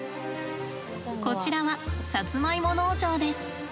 こちらはさつまいも農場です。